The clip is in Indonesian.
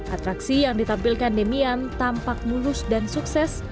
atraksi yang ditampilkan demian tampak mulus dan sukses